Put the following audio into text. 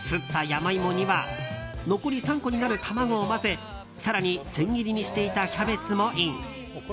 ヤマイモには残り３個になる卵を混ぜ更に、千切りにしていたキャベツもイン。